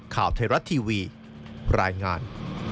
ข่าวไทยรัฐทีวีรายงาน